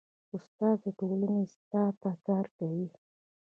استاد د ټولنې اصلاح ته کار کوي.